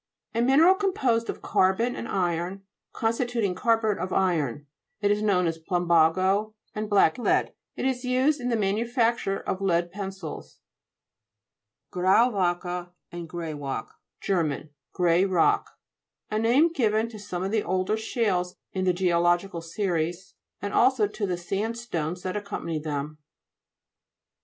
A mineral composed of carbon and 1 iron, constituting carburet of iron. It is known as plumbago and black lead, it is used in the manufac ture of lead pencils. GRAU'WACKE, and GRATWACKE Ger. Grey rock. A name given to some of the older shales in the geological series, and also to the sandstones that accompany them.